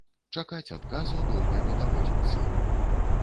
Чакаць адказу доўга не даводзіцца.